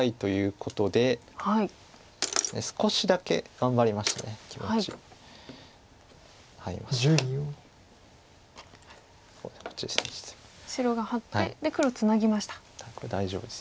これ大丈夫です。